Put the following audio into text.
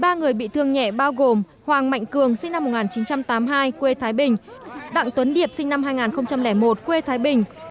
ba người bị thương nhẹ bao gồm hoàng mạnh cường sinh năm một nghìn chín trăm tám mươi hai quê thái bình đặng tuấn điệp sinh năm hai nghìn một quê thái bình